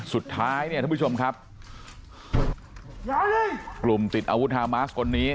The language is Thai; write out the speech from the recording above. สุดท้ายเนี่ยท่านผู้ชมครับกลุ่มติดอาวุธฮามาสคนนี้